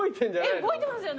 動いてますよね。